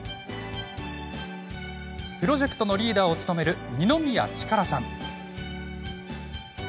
プロジェクトのリーダーを務める二宮力さん。